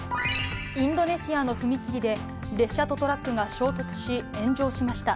インドネシアの踏切で、列車とトラックが衝突し、炎上しました。